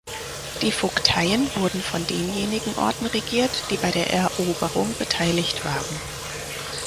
Die Vogteien wurden von denjenigen Orten regiert, die bei der Eroberung beteiligt waren.